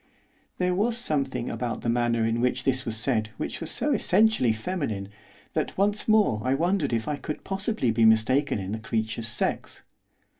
There was something about the manner in which this was said which was so essentially feminine that once more I wondered if I could possibly be mistaken in the creature's sex.